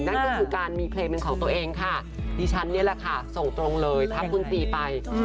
นั่นก็คือการมีเพลงเป็นของตัวเองค่ะดิฉันนี่แหละค่ะส่งตรงเลยทักคุณซีไป